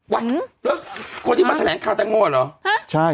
วะคนที่มาแถงข่าวแต่งโง่นเหรอ